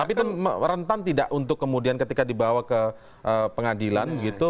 tapi itu rentan tidak untuk kemudian ketika dibawa ke pengadilan gitu